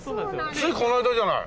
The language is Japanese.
ついこの間じゃない。